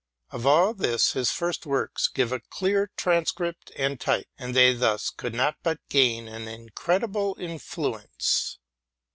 Of all this, his first works give a clear transcript and type ; and they thus could not but gain an incredible influ ence.